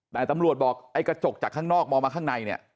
แต่ตำรวจบอกไอ้กระจกจากข้างนอกมองมาข้างในเนี่ย